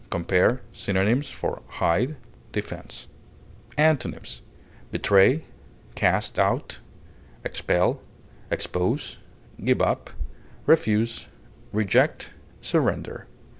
Compare synonyms for HIDE; DEFENSE. Antonyms: betray, expel, expose, give up, refuse, reject, surrender.